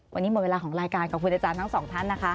วันนี้หมดเวลาของรายการขอบคุณอาจารย์ทั้งสองท่านนะคะ